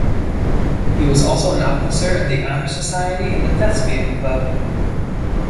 He was also an officer in the Honor Society and the Thespian Club.